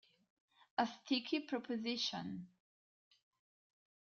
A Sticky Proposition